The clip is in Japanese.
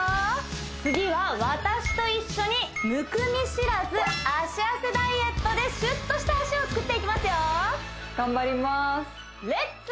次は私と一緒にむくみ知らず脚痩せダイエットでシュッとした脚をつくっていきますよ頑張りますレッツ！